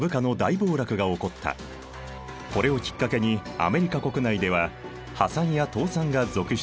これをきっかけにアメリカ国内では破産や倒産が続出。